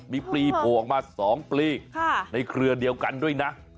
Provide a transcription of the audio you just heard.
มีปลีโผล่ออกมา๒ปลีในเครือเดียวกันด้วยนะ